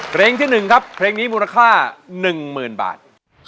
เพลงที่๑ครับเพลงนี้มูลค่า๑๐๐๐บาท